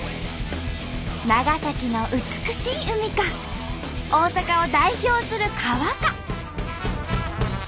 長崎の美しい海か大阪を代表する川か。